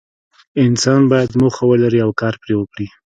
انسان باید موخه ولري او کار پرې وکړي.